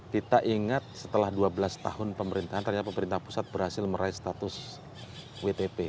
kita ingat setelah dua belas tahun pemerintahan ternyata pemerintah pusat berhasil meraih status wtp